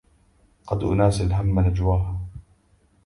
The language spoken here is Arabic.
قد أناسي الهم نجواه